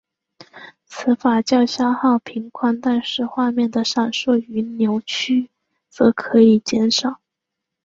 此法较消耗频宽但是画面的闪烁与扭曲则可以减少。